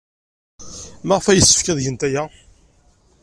Maɣef ay yessefk ad gent aya?